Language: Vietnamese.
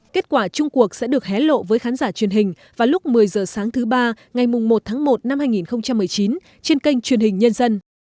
kết quả chung cuộc sẽ được hé lộ với khán giả truyền hình vào lúc một mươi h sáng thứ ba ngày một tháng một năm hai nghìn một mươi chín trên kênh truyền hình nhân dân